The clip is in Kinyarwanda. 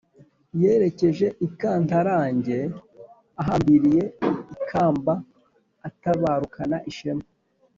yerekeje i kantarange, ahambariye ikamba atabarukana ishema